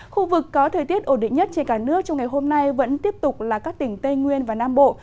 khu vực có thời tiết ổn định nhất trên cả nước trong ngày hôm nay vẫn tiếp tục là các tỉnh tây nguyên và nam bộ